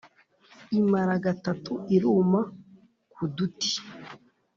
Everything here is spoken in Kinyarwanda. Imara gatatu iruma ku duti !